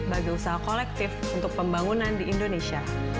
bagi usaha kolektif untuk pembangunan di indonesia